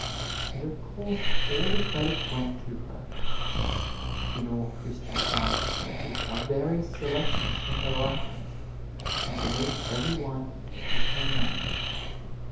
And of course all the credit went to her. In all Christian Science churches are various selections from her writings, and beneath every one is her name.